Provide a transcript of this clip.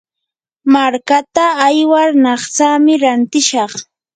markaata aywar naqtsami rantishaq.